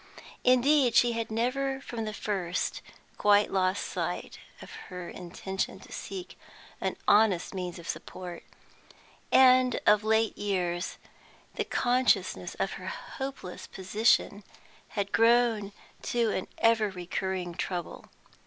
Indeed, she had never from the first quite lost sight of her intention to seek for an honest means of support; and of late years the consciousness of her hopeless position had grown to an ever recurring trouble.